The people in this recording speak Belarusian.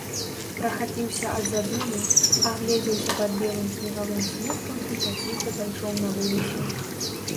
Прахапіўся ад задумы, агледзеўся пад белым снегавым смуткам і паціху пайшоў на вуліцу.